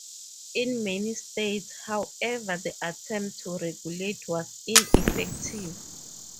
In many states, however, the attempt to regulate was ineffective.